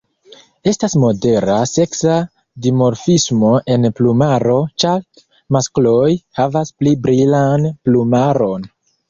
Estas modera seksa dimorfismo en plumaro, ĉar maskloj havas pli brilan plumaron.